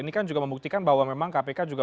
ini kan juga membuktikan bahwa memang kpk juga